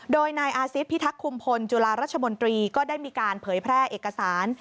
โดยนายอาซิตพิทักษ์คุมพลจุฬารัชมนตรีก็ได้มีการเผยแพร่เอกสาร